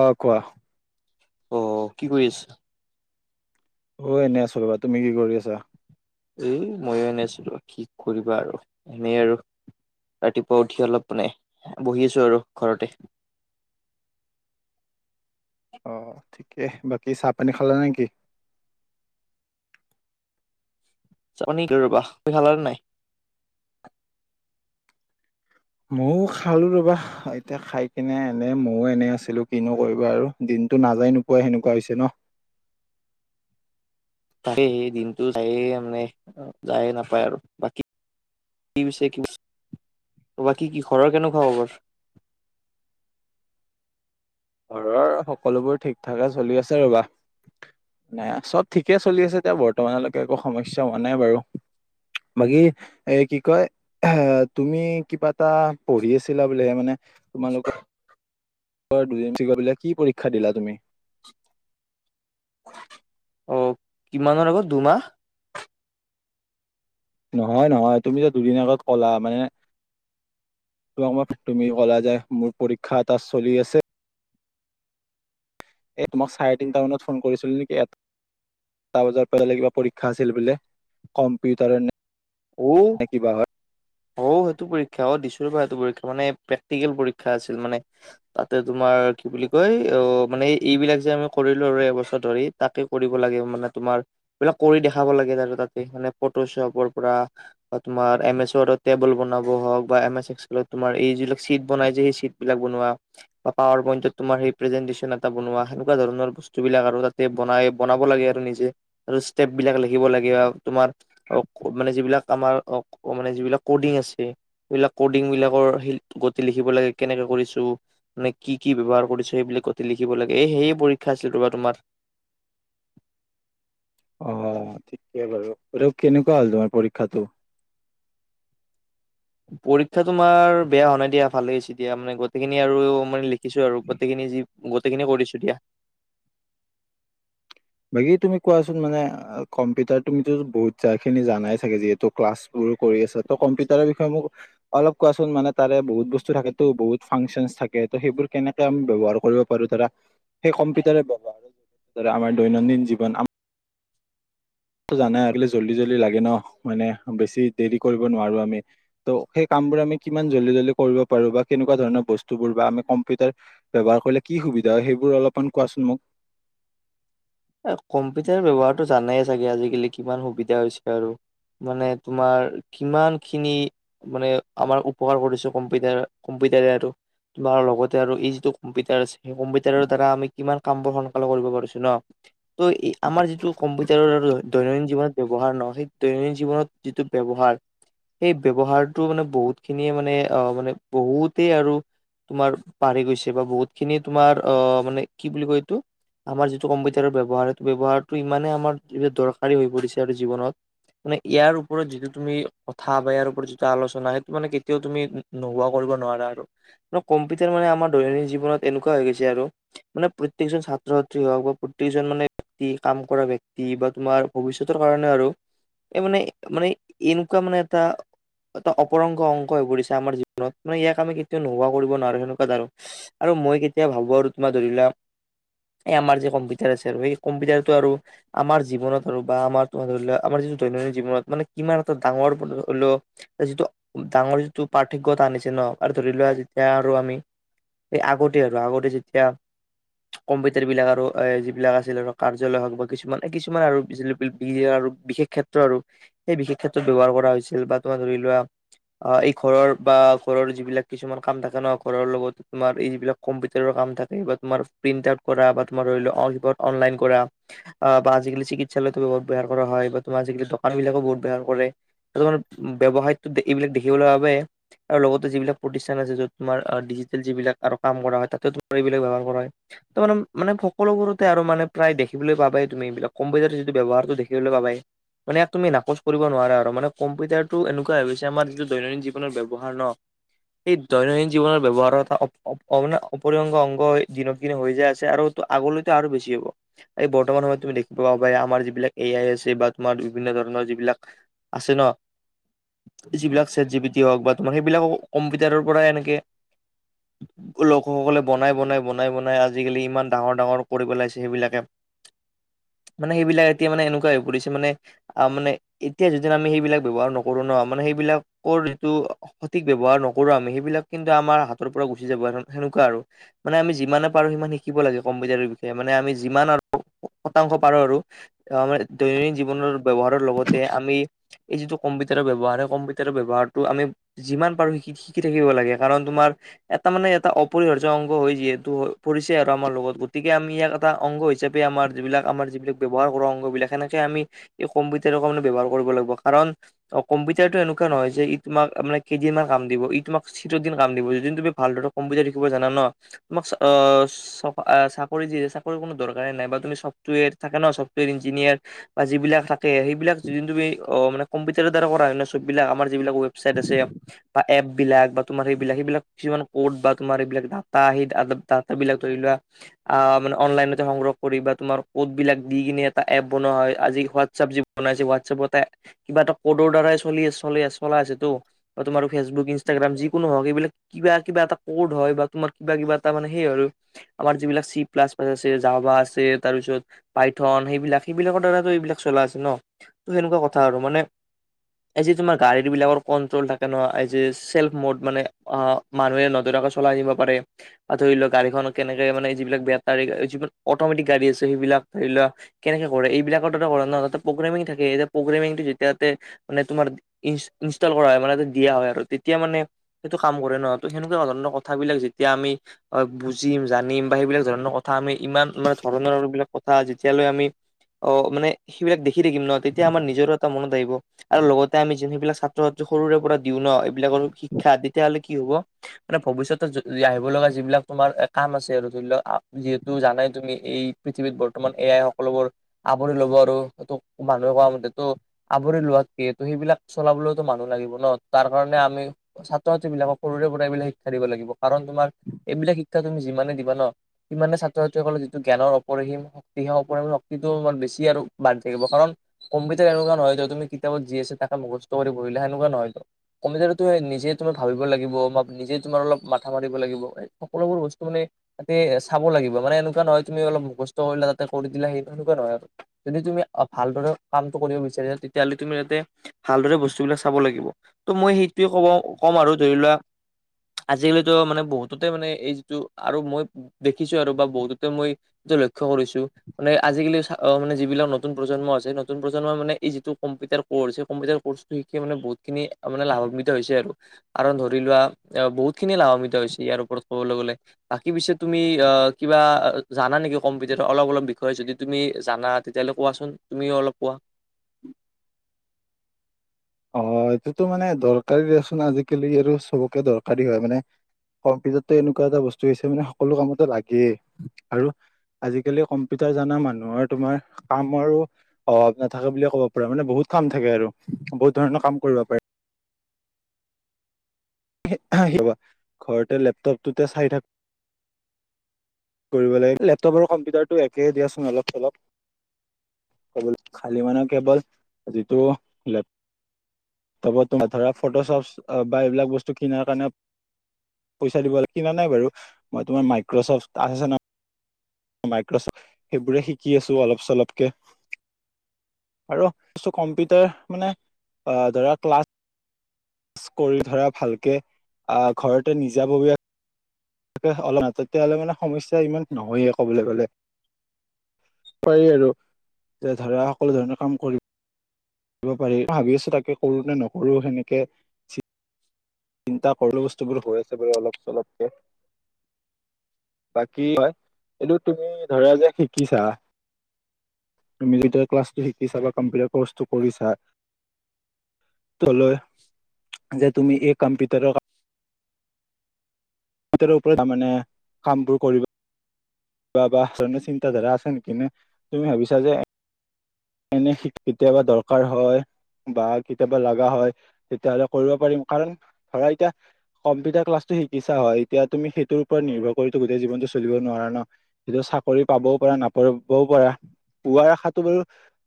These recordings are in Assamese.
অ' কোৱা? অ, কি কৰি আছ? অ, এনেই আছোঁ ৰবা, তুমি কি কৰি আছা? এ ময়ো এনেয়ে আছিলো কি কৰিবা আৰু এনে আৰু। ৰাতিপুৱা উঠি অলপ মানে বহি আছো আৰু ঘৰতে। অ, ঠিকে বাকী চাহ পানী খালা নেকি? চাপানি ৰবা তুমি খালানে নাই? ময়ও খালো ৰবা এতিয়া খাই পিনে এনে ময়ো এনে আছিলো কিনো কৰিবা আৰু দিনতটো নাযায় নো। পোৱা সেনেকুৱা হৈছে ন। তাক হে দিনতটো যায়ে মানে যায়ে নাপায় আৰু বাকী কি পিছে তোমাৰ কি ঘৰৰ কনেকোৱা খবৰ? ঘৰৰ সকলোবোৰ ঠিক ঠাকে চলি আছে ৰ'বা না চব ঠিকে চলি আছে এতিয়া বৰ্তমানলৈকে একো সমস্যা হোৱা নাই বাৰু বাকী এ কি কয়? তুমি কিবা এটা পঢ়ি আছিলা বুলিহে মানে [unintelligible] এইবাৰ দুয়েনছি কৰি পেলাই কি পৰীক্ষা দিলা তুমি অ কিমানৰ আগত দুমাহ নহয় নহয় তুমি যে দুদিন আগত ক'লা মানে তুমি কলা যে মোৰ পৰীক্ষা এটা চলি আছে এ মই চাৰে তিনিটা মানত ফোন কৰিছিলো নেকি ইয়াত টা বজাৰ পৰা কিবা পৰীক্ষা আছিল বোলে কম্পিউটাৰৰ নে ঔ কিবা হত অঔ সেইটো পৰীক্ষা অ দিছো ৰবা সেইটো পৰীক্ষা মানে প্ৰেক্টিকেল পৰীক্ষা আছিল মানে তাতে তোমাৰ কি বুলি কয় অ মানে এইবিলাক যে আমি কৰিলো আৰু এবছৰ ধৰি তাকে কৰিব লাগে মানে তোমাৰ এইবিলাক কৰি দেখাব লাগে আৰু তাতে মানে ফটোশ্বপৰ পৰা বা তোমাৰ এম এছ ওৱাদত টেবুল বনাব হওক বা এম এছ এক্স স্কুলত তোমাৰ এই যিবিলাক চিট বনাই যে সেই চিট বিলাক বনোৱা বা পাৱাৰ পইণ্টতত তোমাৰ পেজেনতেচন এটা বনোৱা সেনেকোৱা ধৰণৰ বস্তুবিলাক আৰু তাতে বনাই বনাব লাগে আৰু নিজে আৰু ষ্টেপ বিলাক লিখিব লাগে আৰু তোমাৰ অ মানে যিবিলাক আমাৰ অ মানে যিবিলাক কডিং আছে এইবিলাক কডিংবিলাকৰ গতি লিখিব লাগে কেনেকে কৰিছো মানে কি কি ব্যৱহাৰ কৰিছো সেইবিলাক গোটে লিখিব লাগে এই সেয়ে পৰীক্ষা আছিলে ৰবা তোমাৰ অ ঠিকে বাৰু কেনেকোৱা হ'ল তোমাৰ পৰীক্ষাতো পৰীক্ষা তোমাৰ বেয়া হোৱা নাই দিয়া ভাল হৈছে দিয়া মানে গোটেইখিনি আৰু মানে লিখিছো আৰু গোটেইখিনি যি গোটেইখিনি কৰিছো দিয়া। বাকী তুমি কোৱাচোন মানে কম্পিউটাৰ তুমিতো বহুত জাগা খিনি জানাই চাগে যিহেতু ক্লাছ বোৰো কৰি আছে ত কম্পিউটাৰৰ বিষয়ে মোক অলপ কোৱাচোন মানে তাৰে বহুত বস্তু থাকেতো বহুত ফাংচন থাকে ত' সেইবোৰ কেনে কে আমি ব্যৱহাৰ কৰিব পাৰো ধৰা সেই কম্পিটাৰে আমাৰ দৈনন্দিন জীৱন টো জানাই আগলে জল্দি জল্দি লাগে ন মানে বেছি দেৰি কৰিব নোৱাৰো আমি ত' সেই কামবোৰ আমি কিমান জলদি জলদি কৰিব পাৰো বা কেনেকোৱা ধৰণৰ বস্তুবোৰ বা আমি কম্পিউটাৰ ব্যৱহাৰ কৰিলে কি সুবিধা হয় সেইবোৰ অলপমান কোৱাচোন মোক এই কম্পিউটাৰ ব্যৱহাৰতো জানাই চাগে আজিকালি কিমান সুবিধা হৈছে আৰু মানে তোমাৰ কিমান খিনি মানে আমাৰ উপকাৰ কৰিছে কম্পিউটাৰ কম্পিটাৰে আৰু তোমাৰ লগতে আৰু এই যিটো কম্পিউটাৰ আছে সেই কম্পিউটাৰৰ দ্বাৰা আমি কিমান কামবোৰ সোনকালে কৰিব পাৰিছো ন ত ই আমাৰ যিটো কম্পিউটাৰ লৈ দৈনন্দিন জীৱনত ব্যৱহাৰ নহয় সেই দৈনন্দিন জীৱনত যিটো ব্যৱহাৰ সেই ব্যৱহাৰতো মানে বহুত খিনিয়ে মানে অ মানে বহুতেই আৰু তোমাৰ পাহৰি গৈছে বা বহুত খিনি তোমাৰ অ মানে কি বুলি কয় এইটো আমাৰ যিটো কম্পি তাৰৰ ব্যৱহাৰতো ব্যৱহাৰতো ইমানেই আমাৰ দৰকাৰী হৈ পৰিছে আৰু জীৱনত মানে ইয়াৰ ওপৰত যিটো তুমি কথা বা ইয়াৰ ওপৰত যিটো আলোচনা সেইটো মানে কেতিয়াও তুমি নোহোৱা কৰিব নোৱাৰা আৰু। কম্পিউটাৰ মানে আমাৰ দৈনন্দিন জীৱনত এনেকোৱা হৈ গৈছে আৰু মানে প্ৰত্যেকজন ছাত্ৰ ছাত্ৰী হওক বা প্ৰতেকজন মানে ব্যক্তি কাম কৰা ব্যক্তি বা তোমাৰ ভৱিষ্যতৰ কাৰণে আৰু এই মানে মানে এনেকোৱা মানে এটা এটা অপৰংগ অংক হৈ পৰিছে আমাৰ জীৱনত মানে ইয়াক আমি কেতিয়াও নোহোৱা কৰিব নোৱাৰো সেনেকোৱা ধৰক আৰু মই কেতিয়া ভাবো আৰু তোমাৰ ধৰিলোৱা এই আমাৰ যে কম্পি উটাৰ আছে আৰু সেই কম্পিউটাৰো আৰু আমাৰ জীৱনত আৰু বা আমাৰ তোমাৰ ধৰিও আমাৰ যিটো দৈনন্দিন জীৱনত মানে কিমান এটা ডাঙৰ ধৰি লও যিটো ডাঙৰ যিটো পাৰ্থক্য এটা আনিছে ন আৰু ধৰি লোৱা যেতিয়া আৰু আমি সে আগতে আৰু আগতে যেতিয়া কম্পিউটাৰ বিলাক আৰু এ যিবিলাক আছিল আৰু কাৰ্যালয় হওক বা কিছুমান - কিছুমান আৰু বিশেষ ক্ষেত্ৰ আৰু। সেই বিশেষ ক্ষেত্ৰত ব্যৱহাৰ কৰা হৈছিল বা তোমাৰ ধৰি লোৱা। অ, এই ঘৰৰ বা ঘৰৰ যিবিলাক কিছুমান কাম থাকে ন ঘৰৰ লগত তোমাৰ এই বিলাক। কম্পিউটাৰৰ কাম থাকে বা তোমাৰ প্ৰিন্ট আউট কৰা বা তোমাৰ অনলাইন কৰা। অ, বা আজিকালি চিকিৎসালয়তো বহুত ব ব্যহাৰ কৰা হয় বা তুমাৰ আজিকালি দোকান বিলাকো বহুত ব্যৱহাৰ কৰে। তমাৰ ব্যৱসায়টো এইবিলাক দেখিবলৈ বাবে। আৰু লগতে যিবিলাক প্ৰতিষ্ঠান আছে য'ত তোমাৰ ডিজিটেল যিবিলাক আৰু কাম কৰা হয় তাতে তোমাৰ এইবিলাক ব্যৱহাৰ কৰা হয়। ত মান। মানে সকলোবোৰতে আৰু মানে প্ৰায় দেখিবলৈ পাবাই তুমি এইবিলাক কম্পিউটাৰ যিটো ব্যৱহাৰতটো দেখিবলৈ পাবাই। মানে তুমি নাকচ কৰিব নোৱাৰা আৰু মানে কম্পিউটাৰতটো এনেকুৱা হৈছে আমাৰ যিটো দৈনন্দিন জীৱনৰ ব ব্যৱহাৰ ন এই দৈনন্দিন জীৱনৰ ব্যৱহাৰ এটা অপৰিং অংগ দিনক দিনে হৈ যায় আছে আৰু আগলৈতে আৰু বেছি হ'ব। এই বৰ্তমান সময়ত তুমি দেখিব পাবা আমাৰ যিবিলাক এ আই আছে বা তোমাৰ বিভিন্ন ধৰণৰ যিবিলাক আছে ন। যিবিলাক চেট জি বি টি হওক বা তোমাৰ সেইবিলাক কম্পিউটাৰৰ পৰাই এনেকে লোকসকলে বনাই - বনাই - বনাই - বনাই আজিকালি ইমান ডাঙৰ - ডাঙৰ কৰি পেলাইছে সেইবিলাকে মানে সেইবিলাক এতিয়া মানে এনেকুৱা হৈ পৰিছে মানে আহ মানে এতিয়া যদি আমি সেইবিলাক ব্যৱহাৰ নকৰো ন মানে সেইবিলাকৰ যিটো সঠিক ব্যৱহাৰ নকৰো আমি সেইবিলাক কিন্তু আমাৰ হাতৰ পৰা গুচি যাব সেনেকুৱা আৰু। মানে আম যিমানে পাৰো সিমান শিকিব লাগে। কম্পিউটাৰ বিষয়ে মানে আমি যিমান আৰু শতাংশ পাৰো আৰু আমাৰ দৈনন্দিন জীৱনৰ ব্যৱহাৰৰ লগতে আমি এই যিটো কম্পিউটাৰৰ ব্যৱহাৰ সেই কম্পিউটাৰৰ ব্যৱহাৰটো আমি যিমান পাৰো শিকি - শিকি থাকিব লাগে কাৰণ তোমাৰ এটা মানে এটা অপৰিহাৰ্য অংগ হৈ যিহেতু হৈ পৰিছে আৰু আমাৰ লগত। গতিকে আমি ইয়াক এটা অংগ হিচাপে আমাৰ যিবিলাক আমাৰ যিবিলাক ব্যৱহাৰ কৰো অংগবিলাক সেনেকে আমি এই কম্পিউটাৰৰ কাৰণে ব্যৱহাৰ কৰিব লাগিব কাৰণ। অ, কম্পিউটাৰটো এনেকুৱা নহয় যে ই তোমাক মানে কেইদিনমান কাম দিব ই তোমাক। চিটো দিন কাম দিব যিটো তুমি ভালদৰে কাম বুজাই ৰাখিব জানা ন তোমাক আহ চাকৰি যহ চাকৰিনো দৰকাৰে নাই বা তুমি চফটৱেৰ থাকে ন চফ্টৱেৰ ইঞ্জিনিয়াৰ। বা যিবিলাক থাকে সেইবিলাক যিন তুমি মানে কম্পিউটাৰৰ দ্বাৰা কৰা হয় চববিলাক আমাৰ যিবিলাক ৱেবছাইট আছে। বা এপ বিলাক বা তোমাৰ সেইবিলাক সেইবিলাক কিছুমান ক'ড বা তোমাৰ এইবিলাক ডাটা সেই ডা বিলাক ধৰি লোৱা। অ, মানে অনলাইন সংগ্ৰহ কৰি বা তোমাৰ ক'ড বিলাক দি কিনে এটা এপ বনোৱা হয় আজি হোৱাটচপ বনাইছে হোৱাটছএপতে কিবা এটা ক'ডৰ দ্বাৰাই চলি চলি আ চলাই আছে তো। বা তোমাৰ ফেচবুক ইনষ্টাগ্ৰাম যিকোনো হওক এইবিলাক কিবা - কিবা এটা কৰ্ড হয় বা তোমাৰ কিবা কিবা এটা মানে সেই আৰু আমাৰ যিবিলাক চি প্লাছ চাজা আছে জাভা আছে তাৰপিছত পাইথন সেইবিলাক সেইবিলাকৰ দ্বাৰটো এইবিলাক চলা আছে ন ত সেনেকুৱা কথা আৰু মানে আজি তোমাৰ গাড়ী বিলাকৰ কন্ট্ৰল থাকে ন এইজি চেল্ফ মড মানে মানুহে নধৰাকৈ চলাই আহিব পাৰে বা ধৰি লওক গাড়ীখন কেনেকে মানে যিবিলাক বেটাৰী যিবি অট'মেটিক গাড়ী আছে সেইবিলাক ধৰি লোৱা কেনেকে কৰে এইবিলাকৰ তাতে কৰে ন তাতে প্ৰগ্ৰেমিং থাকে এয়া প্ৰগ্ৰেমিংটো যেতিয়া ইয়াতে মানে তোমাৰ ই ইনষ্টল কৰা হয় মানে দিয়া হয় আৰু তেতিয়া মানে সেইটো কাম কৰে ন ত সেনেকোৱা ধৰণৰ কথাবিলাক যেতিয়া আমি বুজো বুজিম জানিম বা সেইবিলাক ধৰণৰ কথা আমি ইমান মানে ধৰণৰ এইবিলাক কথা যেতিয়ালৈ আমি অ, মানে সেইবিলাক দেখি থাকিম ন তেতিয়া আমাৰ নিজৰো এটা মনত আহিব আৰু লগতে আমি যোন বিলাক সৰুৰে পৰা দিও ন এইবিলাকৰ শিক্ষা তেতিয়াহ'লে কি হ'ব মানে ভৱিষ্যতত আহিব লগা যিবিলাক তোমাৰ কাম আছে আৰু ধৰি ল' যিহেতু জানাই তুমি এই পৃথিৱীত বৰ্তমান এ আই সকলোবোৰ আবৰি লব আৰু ত' মানুহে কোৱা মতেটো আৱৰি লোৱা কি ত সেইবিলাক চলাবলৈওতো মানুহ লাগিব ন তাৰ কাৰণে আমি ছাত্ৰ ছাত্ৰী বিলাকক সৰুৰে পৰা এইবিলাক শিক্ষা দিব লাগিব কাৰণ তোমাৰ এইবিলাক শিক্ষা তুমি যিমানে দিবা ন। সিমানে ছাত্ৰ -ছাত্ৰীসকলৰ যিটো জ্ঞানৰ অপৰিহীম এইহঁ অপৰিহীম শক্তিটো [unintelligible] বেছি আৰু বাঢ়ি থাকিব কাৰণ কম্পিতাৰ এনেকোৱা নহয়তো তুমি কিতাপত যি আছে তাকে মুখস্থ কৰি পঢ়িলা সেনেকুৱা নহয় তো। কম্পিউতাৰটো এই নিজেই তুমি ভাবিব লাগিব বা নিজে তোমাৰ অলপ মাথা মাৰিব লাগিব কোনোবোৰ বস্তু মানে তাতে চাব লাগিব মানে এনেকুৱা নহয় তুমি অলপ মুখস্থ কৰিলা তাতে কৰি দিলা সেই সেনেকুৱা নহয় আৰু। যদি তুমি ভালদৰে কামটো কৰিব বিচাৰিছা তেতিয়াহ'লে তুমি তাতে ভালদৰে বস্তুবিলাক চাব লাগিব ত' মই সেইটোয়ে কব ক'ম আৰু ধৰি লোৱা আজিকালিতো মানে বহুততে মানে এই যিটো আৰু মই দেখিছো আৰু বা বহুততে মই ত'লক্ষ্য কৰিছোঁ মানে আজিকালি চা মানে যিবিলাক নতুন প্ৰজন্ম আছে সেই নতুন প্ৰজন্মই মানে এই যিটো কম্পিউটাৰ পঢ়িছে কম্পিউটাৰ কৰ্চটো শিকে মানে বহুত খিনি মানে লাভাম্বিত হৈছে আৰু। কাৰণ ধৰি লোৱা এওঁ বহুত খিনি লাভাম্বিত হৈছি ইয়াৰ ওপৰত কবলৈ গ'লে। বাকী পিছে তুমি অ, কিবা জানা নেকি কম্পিউটাৰৰ অলপ -অলপ বিষয়ে যদি তুমি জানা তেতিয়াহ'লে কোৱাচোন তুমিও অলপ কোৱা? অ, এইটোতো মানে দৰকাৰী দিয়াচোন আজিকালি আৰু চবকে দৰকাৰী হয় মানে কম্পিউটাৰটো এনেকুৱা এটা বস্তু হৈছে মানে সকলো কামতে লাগেই আৰু আজিকালি কম্পিউটাৰ জানা মানুহৰ তোমাৰ কামৰো অভাৱ নাথাকে বুলিয়ে ক'ব পাৰা মানে বহুত কাম থাকে আৰু বহুত ধৰণৰ কাম কৰিব পাৰি। [unintelligible] ৰ'বা ঘৰতে লেপটপটোতে চাই থাক কৰিব লাগে এ লেপটপ আৰু কম্পিউটাৰটো একেই দিয়াচোন অলপ- চলপ। কেৱল খালী মানে কেৱল যিটো লেপ তপত ধৰা ফটো চফচ বা এইবিলাক বস্তু কিনাৰ কাৰণে পইচা দিব লাগে কিনা নাই বাৰু মই তোমাৰ মাইক্ৰচফ্ট আছে ন মাইক্ৰচেফ্ট সেইবোৰে শিকি আছো অলপ চলপকে। আৰু চ' কম্পিউটাৰ মানে অ, ধৰা ক্লাছ কৰি ধৰা ভালকে আহ ঘৰতে নিজাববীয়াক তেহ অলপ তেতিয়াহলে মানে সমস্যা ইমান নহয়ে ক'বলৈ গ'লে। পাৰি আৰু যে ধৰা সকলো ধৰণৰ কাম কৰিব দিব পাৰি ভাবি আছো তাকে কৰো নে নকৰো সেনেকে। চিন্তা কৰো বস্তুবোৰ হৈ আছে বাৰু অলপ চলপকে। বাকী হয় এইটো তুমি ধৰা যে শিকিছা তুমি যেতিয়া ক্লাছটো শিকিছা বা কম্পিউটাৰ কৰ্চটো কৰিছা তলৈ যে তুমি এই কাম্পিউটাৰৰ কাম ভিতৰৰ ওপৰত আ মানে কামবোৰ কৰিব। বা -বা চণো চিন্তা ধাৰা আছে নেকি নে তুমি ভাবিছা যে এনে [unintelligible] কেতিয়াবা দৰকাৰ হয়। বা কেতিয়াবা লাগা হয় তেতিয়া হ'লে কৰিব পাৰিম কাৰণ ধৰা এতিয়া কম্পিউটাৰ ক্লাছটো শিকিছা হয় এতিয়া তুমি সেইটো ওপৰত নিৰ্ভৰ কৰিটো জীৱনটো চলিব নোৱাৰা ন'। এতিয়া চাকৰি পাবও পাৰা নাপাবও পাৰা পোৱা আশাটো বাৰু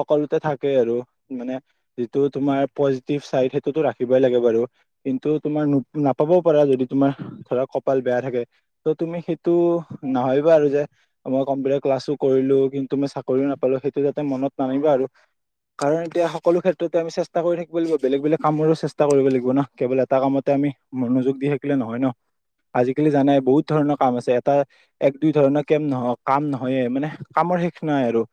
সকলোতে থাকেই আৰু মানে যিটো তোমাৰ পজিটিভ চাইড সেইটোতো ৰাখিবই লাগে বাৰু। কিন্তু তোমাৰ নো নাপাবও পাৰা যদি তোমাৰ ধৰা কপাল বেয়া থাকে ত' তুমি সেইটো নাভাবিবা আৰু যে মই কম্পিউটাৰ ক্লাছো কৰিলো কিন্তু মই চাকৰিও নাপালো সেইটো যাতে মনত নামিবা আৰু। কাৰণ এতিয়া সকলো ক্ষেত্ৰতে আমি চেষ্টা কৰি থাকিব লাগিব বেলেগ বেলেগ কামৰো চেষ্টা কৰিব লাগিব ন কেৱল এটা কামতে আমি মনোযোগ দি থাকিলে নহয় ন আজিকালি জানাই বহুত ধৰণৰ কাম আছে এটা এক দুই ধৰণৰ কেম নহওঁক কাম নহয়ে মানে কামৰ শেষ নাই আৰু।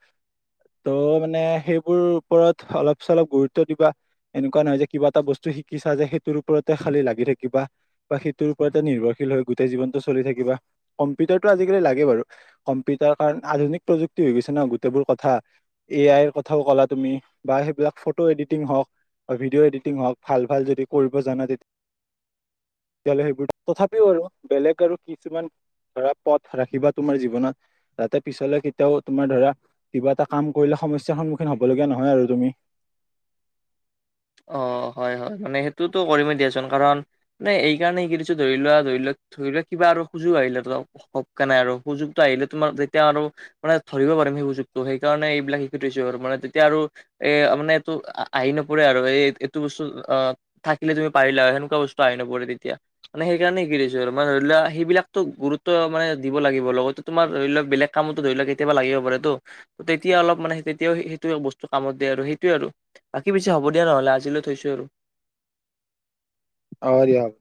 ত' মানে সেইবোৰ ওপৰত অলপ- চলপ গুৰুত্ব দিবা। এনেকুৱা নহয় যে কিবা এটা বস্তু শিকিছা যে সেইটোৰ ওপৰতে খালি লাগি থাকিবা। বা সেইটোৰ ওপতে নিৰ্ভৰশীল হয় গোটেই জীৱনটো চলি থাকিবা কম্পিউটাৰটো আজিকালি লাগে বাৰু কম্পিউটাৰ কাৰণ আধুনিক প্ৰযুক্তি হৈ গৈছে ন গোটেইবোৰ কথা এ আইৰ কথাও ক'লা তুমি বা সেইবিলাক ফটো এডিটিং হওঁক। অ ভিডিঅ' এডিটিং হওক ভাল ভাল যদি কৰিব জানা তেতি- তেতিয়াহলে সেইবোৰ তথাপিও আৰু বেলেগ আৰু কিছুমান ধৰা পথ ৰাখিবা তোমাৰ জীৱনত তাতে পিছলে কেতিয়াও তোমাৰ ধৰা কিবা এটা কাম কৰিলে সমস্যাৰ সন্মুখীন হ'বলগীয়া নহয় আৰু তুমি। অ হয় হয় মানে সেইটোতো কৰিমেই দিয়াচোন কাৰণ নে এইকাৰণে শিকি দিছো ধৰি লোৱা ধৰি লক ধৰি লক কিবা আৰু সুযোগ আহিলে তোমাৰ- সক কেনাই আৰু সুযোগতটো আহিলে তোমাৰ যেতিয়া আৰু। মানে ধৰিব পাৰিম সেই সুযোগটো সেইকাৰণে এইবিলাক শিকি থৈছো আৰু মানে তেতিয়া আৰু। এ মানে তো আ আহি নপৰে আক অ এ এইটো বস্তু অ থাকিলে তুমি পাৰিলা সেনেকুৱা বস্তু আহি নপৰে তেতিয়া। মানে সেইকাৰণে শিকি থৈছো আৰু মানে ধৰি লোৱা সেইবিলাকতো গুৰুত্ব মানে দিব লাগিব লগতে তোমাৰ ধৰি লক বেলেগ কামতো ধৰি লওক কেতিয়াবা লাগিব পাৰে তো। তেতিয়া অলপ মানে তেতিয়াও সেইটো বস্তু কামত দিয়ে আৰু সেইটোৱে আৰু বাকী পিছে হ'ব দিয়া নহ'লে আজিলৈ থৈছো আৰু। অ দিয়ক।